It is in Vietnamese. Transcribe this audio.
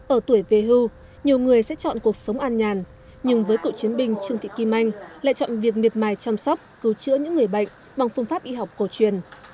ở tuổi về hưu nhiều người sẽ chọn cuộc sống an nhàn nhưng với cựu chiến binh trương thị kim anh lại chọn việc miệt mài chăm sóc cứu chữa những người bệnh bằng phương pháp y học cổ truyền